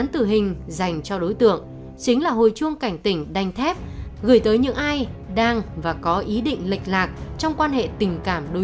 bàn án tử hình dành cho đối tượng chính là hồi chuông cảnh tỉnh đanh thép gửi tới những ai đang và có ý định lệch lạc trong quan hệ tình cảm đôi lứa